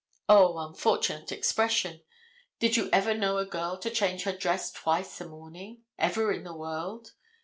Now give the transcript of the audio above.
Oh, unfortunate expression. Did you ever know a girl to change her dress twice a morning, ever in the world?